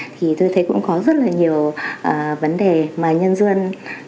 thì tôi thấy cũng có rất là nhiều vấn đề mà nhân dân